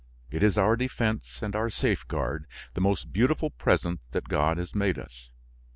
It is our defense and our safeguard, the most beautiful present that God has made us.